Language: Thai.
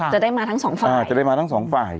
จะได้มาทั้งสองฝ่ายจะได้มาทั้งสองฝ่าย